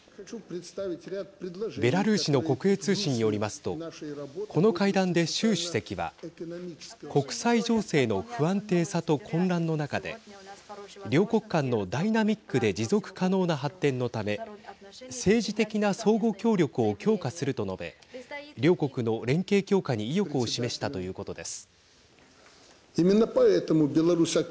ベラルーシの国営通信によりますとこの会談で習主席は国際情勢の不安定さと混乱の中で両国間のダイナミックで持続可能な発展のため政治的な相互協力を強化すると述べ両国の連携強化に意欲を示したということです。